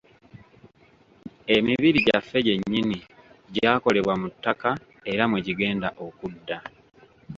Emibiri gyaffe gyennyini gyakolebwa mu ttaka era mwe gigenda okudda.